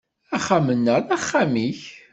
Axxam-nneɣ d axxam-ik.